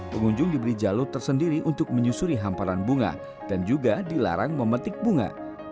pengunjung diberi jalur tersendiri untuk menyusuri hamparan bunga dan juga dilarang memetik bunga